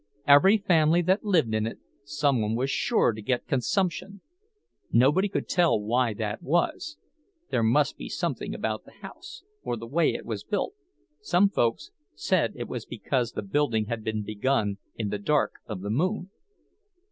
Every family that lived in it, some one was sure to get consumption. Nobody could tell why that was; there must be something about the house, or the way it was built—some folks said it was because the building had been begun in the dark of the moon.